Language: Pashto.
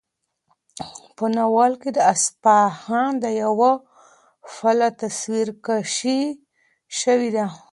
په ناول کې د اصفهان د یوه پله تصویرکشي شوې ده.